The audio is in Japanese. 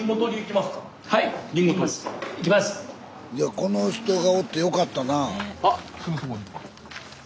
この人がおってよかったな。